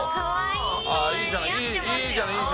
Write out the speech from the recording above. いいじゃない。